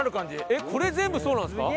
えっこれ全部そうなんですか？